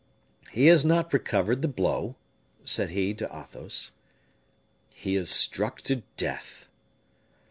"He has not recovered the blow?" said he to Athos. "He is struck to death."